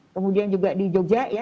kemudian juga di jogja ya